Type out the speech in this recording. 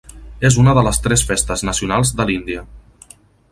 És una de les tres festes nacionals de l'Índia.